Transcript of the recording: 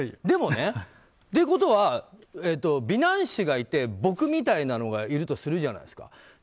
でもね、ということは美男子がいて僕みたいなのがいるとするじゃないですか。